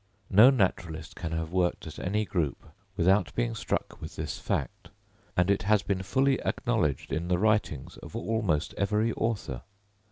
No naturalist can have worked at any group without being struck with this fact; and it has been fully acknowledged in the writings of almost every author.